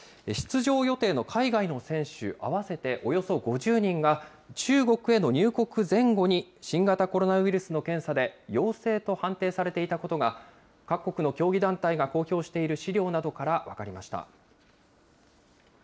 出場予定の海外の選手、合わせておよそ５０人が、中国への入国前後に、新型コロナウイルスの検査で陽性と判定されていたことが、各国の競技団体が公表している資料などから分かりました。